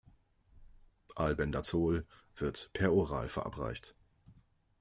Albendazol wird peroral verabreicht.